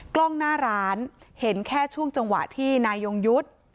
กล้องหน้าร้านเห็นแค่ช่วงจังหวะที่นายยงยุทธ์